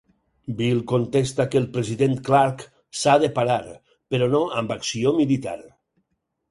Bill contesta que el president Clark s'ha de parar, però no amb acció militar.